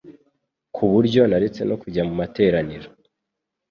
ku buryo naretse no kujya mu materaniro.